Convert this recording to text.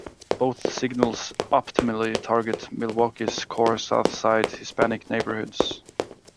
Both signals optimally target Milwaukee's core south side Hispanic neighborhoods.